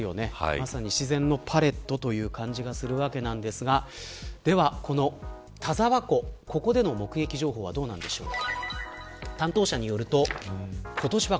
まさに自然のパレットという感じがするわけですが田沢湖での目撃情報はどうなんでしょうか。